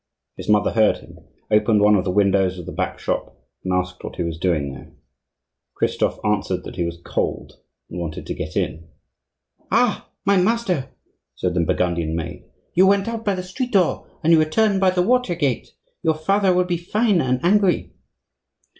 His mother heard him, opened one of the windows of the back shop, and asked what he was doing there. Christophe answered that he was cold and wanted to get in. "Ha! my master," said the Burgundian maid, "you went out by the street door, and you return by the water gate. Your father will be fine and angry."